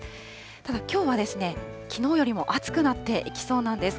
ただ、きょうはきのうよりも暑くなっていきそうなんです。